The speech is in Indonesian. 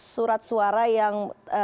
surat suara yang